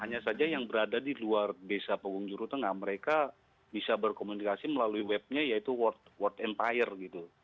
hanya saja yang berada di luar desa pegung juru tengah mereka bisa berkomunikasi melalui webnya yaitu world empire gitu